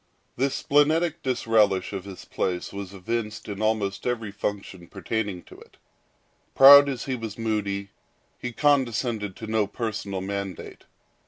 This splenetic disrelish of his place was evinced in almost every function pertaining to it. Proud as he was moody, he condescended to no personal mandate.